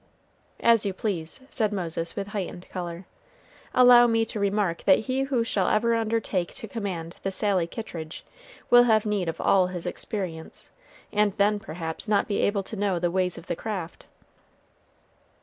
"As you please," said Moses, with heightened color. "Allow me to remark that he who shall ever undertake to command the 'Sally Kittridge' will have need of all his experience and then, perhaps, not be able to know the ways of the craft."